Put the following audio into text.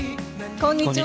こんにちは。